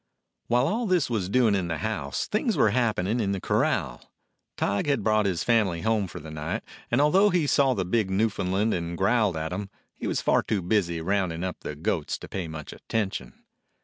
While all this was doing in the house, things were happening in the corral. Tige had brought his family home for the night, and although he saw the big Newfoundland and growled at him, he was far too busy rounding up the goats to pay much attention.